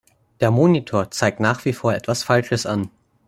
Der Monitor zeigt nach wie vor etwas Falsches an.